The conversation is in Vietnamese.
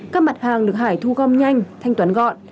các mặt hàng được hải thu gom nhanh thanh toán gọn